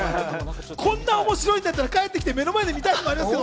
こんな面白いんだったら帰ってきて目の前で見たい。